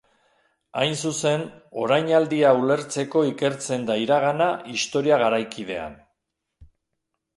Hain zuzen, orainaldia ulertzeko ikertzen da iragana historia garaikidean.